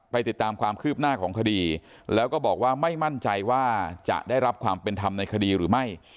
ติดตามความคืบหน้าของคดีแล้วก็บอกว่าไม่มั่นใจว่าจะได้รับความเป็นธรรมในคดีหรือไม่